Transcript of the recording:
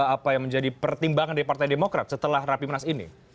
apa yang menjadi pertimbangan dari pdip setelah rapi menas ini